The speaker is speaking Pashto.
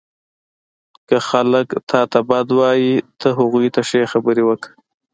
• که خلک تا ته بد وایي، ته هغوی ته ښې خبرې وکړه.